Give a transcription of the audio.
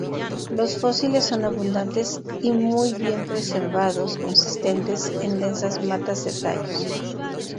Los fósiles son abundantes y muy bien preservados consistentes en densas matas de tallos.